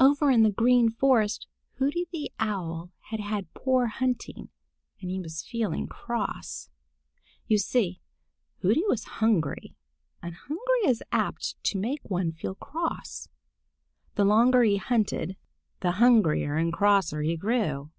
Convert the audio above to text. Over in the Green Forest Hooty the Owl had had poor hunting, and he was feeling cross. You see, Hooty was hungry, and hunger is apt to make one feel cross. The longer he hunted, the hungrier and crosser he grew.